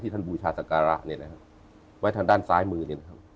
ท่านบูชาสการะเนี่ยนะครับไว้ทางด้านซ้ายมือเนี่ยนะครับ